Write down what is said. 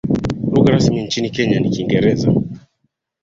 Lugha rasmi nchini Kenya ni Kiingereza.